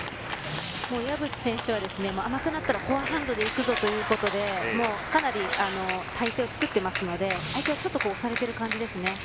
岩渕選手は、甘くなったらフォアハンドでいくぞということでかなり態勢を作ってますので相手がちょっと押されてる感じです。